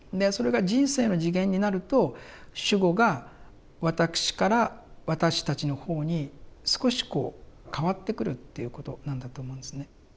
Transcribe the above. それが人生の次元になると主語が「私」から「私たち」の方に少しこう変わってくるということなんだと思うんですね。